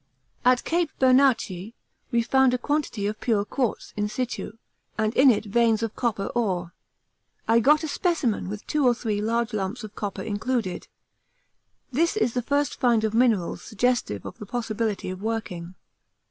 At Cape Bernacchi we found a quantity of pure quartz in situ, and in it veins of copper ore. I got a specimen with two or three large lumps of copper included. This is the first find of minerals suggestive of the possibility of working.